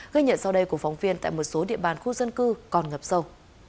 gây nhận sau đây của phóng viên tại một số địa bàn khu dân cư còn ngập sâu